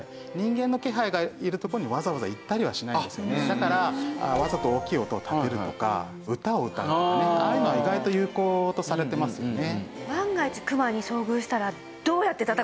だからわざと大きい音を立てるとか歌を歌うとかねああいうのは意外と有効とされてますよね。